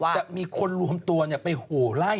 จะมีคนรวมตัวไปโหไล่